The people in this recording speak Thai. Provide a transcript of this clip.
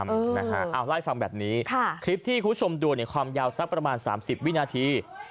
มาให้ฟังแบบนี้คลิปที่หุดชมดัวความยาวสักประมาณ๓๐วินาที